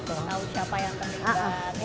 tahu siapa yang terlibat